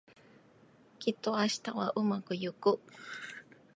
きっと明日はうまくいく